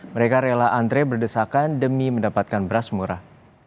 mereka rela antre berdesakan demi mendapatkan beras murah